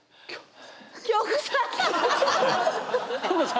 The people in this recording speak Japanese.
京子さん。